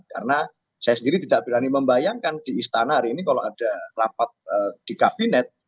karena saya sendiri tidak berani membayangkan di istana hari ini kalau ada rapat di kabinet